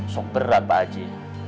sok berat pak aji